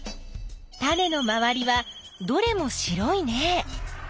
タネのまわりはどれも白いね。